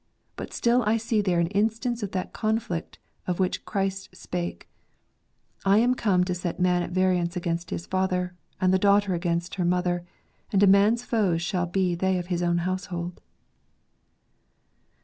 But still I see there an instance of that conflict of which Christ spake: "I am come to set a man at variance against his father, and the daughter against her mother; ... and a man's foes shall be they of his own household."